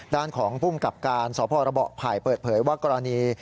ด้านของภูมิกับการสรบภายเปิดเผยว่ากรณี